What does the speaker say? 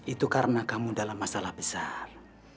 itu karena kamu dalam masalah besar